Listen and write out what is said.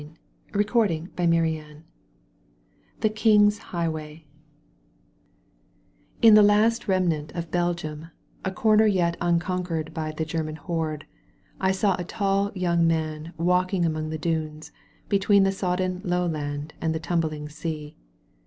66 THE KING'S HIGH WA,Y THE KING'S HIGH WAY In the last remnant of Belgium, a comer yet un conquered by the German horde, I saw a tall young man walking among the dunes, between the sodden lowland and the tumbling sea.